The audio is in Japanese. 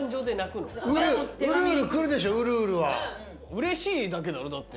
うれしいだけだろだって。